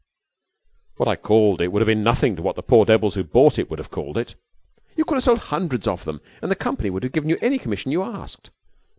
'What I called it would have been nothing to what the poor devils who bought it would have called it.' 'You could have sold hundreds of them, and the company would have given you any commission you asked.